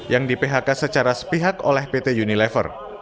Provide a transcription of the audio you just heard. yang di phk secara sepihak oleh pt unilever